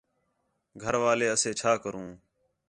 گھر والے اسے چَھا کروں